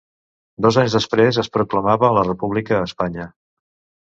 Dos anys després es proclamava la República a Espanya.